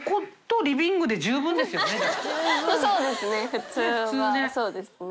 普通ね。